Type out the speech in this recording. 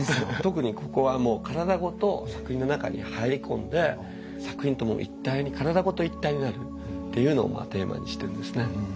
特にここはもう体ごと作品の中に入り込んで作品と一体に体ごと一体になるっていうのをテーマにしてるんですね。